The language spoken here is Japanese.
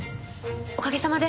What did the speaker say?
おかげさまで。